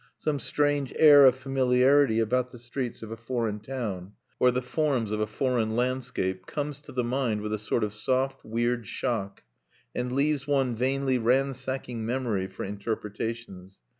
Some strange air of familiarity about the streets of a foreign town, or the forms of a foreign landscape, comes to the mind with a sort of soft weird shock, and leaves one vainly ransacking memory for interpretations.